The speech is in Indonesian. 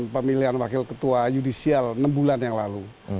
pemilihan wakil ketua yudisial enam bulan yang lalu